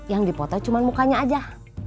yang dipoto cuma mukanya aja